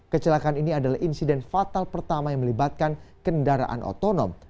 kecelakaan ini adalah insiden fatal pertama yang melibatkan kendaraan otonom